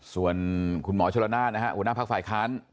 ส่วนคุณหมอชนละนานนะฮะหัวหน้าภาคฝ่ายค้าน